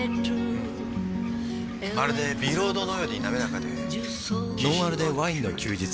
まるでビロードのように滑らかでフフッ「ノンアルでワインの休日」